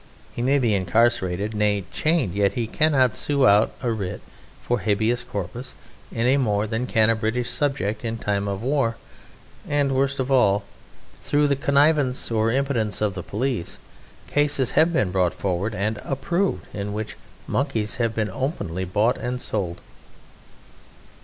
He may be incarcerated, nay chained, yet he cannot sue out a writ for habeas corpus any more than can a British subject in time of war, and worst of all, through the connivance or impotence of the police, cases have been brought forward and approved in which Monkeys have been openly bought and sold!